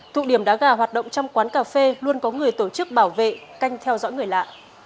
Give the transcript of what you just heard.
thụ điểm đá gà hoạt động trong quán cà phê luôn có người tổ chức bảo vệ canh theo dõi người lạ